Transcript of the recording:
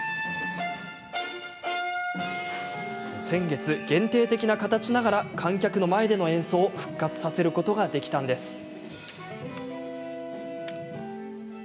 先月、限定的な形ながら観客の前での演奏を復活させることができたんです。